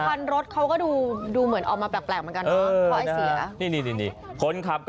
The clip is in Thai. แต่การรถเขาก็ดูเหมือนออกมาแปลกเหมือนกันเนอะพอไอ้เศรียะ